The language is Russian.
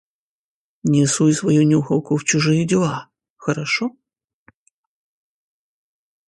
Не суй свою нюхалку в чужие дела, хорошо?